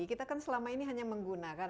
kita kan selama ini hanya menggunakan